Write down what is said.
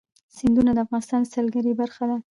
سیندونه د افغانستان د سیلګرۍ برخه ده.